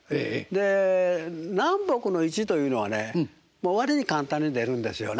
で南北の位置というのはね割に簡単に出るんですよね。